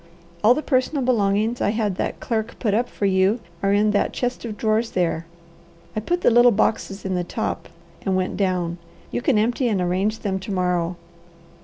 "All the personal belongings I had that clerk put up for you are in that chest of drawers there. I put the little boxes in the top and went down. You can empty and arrange them to morrow.